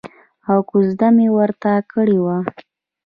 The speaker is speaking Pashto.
او کوزده مې ورته کړې وه.